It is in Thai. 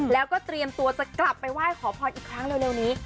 แล้วก็เตรียมตัวจะกลับไปไหว้ขอพรอีกครั้งเร็วนี้